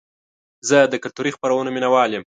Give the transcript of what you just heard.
زه د کلتوري خپرونو مینهوال یم.